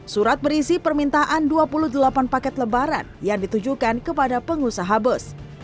surat berisi permintaan dua puluh delapan paket lebaran yang ditujukan kepada pengusaha bus